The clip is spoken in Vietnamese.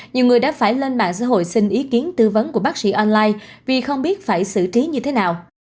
nhiều người đã phải lên mạng xã hội xin ý kiến tư vấn của bác sĩ online vì không biết phải xử trí như thế nào